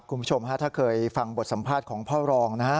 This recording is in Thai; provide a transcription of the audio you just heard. คุณผู้ชมฮะถ้าเคยฟังบทสัมภาษณ์ของพ่อรองนะฮะ